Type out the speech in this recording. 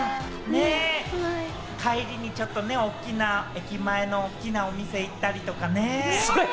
帰りにちょっと大きな駅前のお店に行ったりとかね。